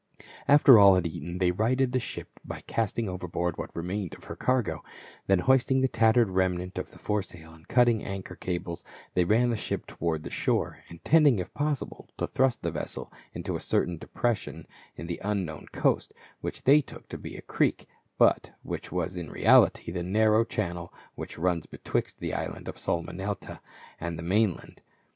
After all had eaten they righted the ship by casting overboard what remained of her cargo, then hoisting the tattered remnant of the fore sail and cutting the anchor cables they ran the ship toward the shore, in tending if possible to thrust the vessel into a certain depression in the unknown coast, which they took to be a creek, but which was in reality the narrow chan nel which runs betwixt the island of Salmonetta and the mainland.